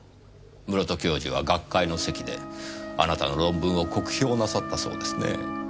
室戸教授は学会の席であなたの論文を酷評なさったそうですねぇ。